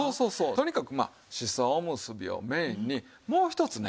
とにかくまあしそおむすびをメインにもうひとつね